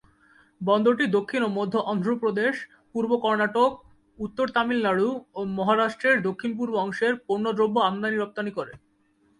বন্দরটি দক্ষিণ ও মধ্য অন্ধ্রপ্রদেশ, পূর্ব কর্ণাটক, উত্তর তামিলনাড়ু ও মহারাষ্ট্রের দক্ষিণ-পূর্ব অংশের পণ্য দ্রব্য আমদানি-রপ্তানি করে।